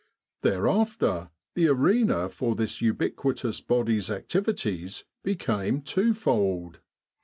Thereafter the arena for this ubiquitous body's activities became twofold.